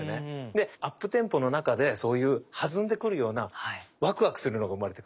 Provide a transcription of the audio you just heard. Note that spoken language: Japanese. でアップテンポの中でそういう弾んでくるようなワクワクするのが生まれてくる。